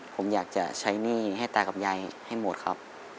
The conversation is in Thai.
ผมอยากจะใช้หนี้ให้ตากับยายให้หมดครับ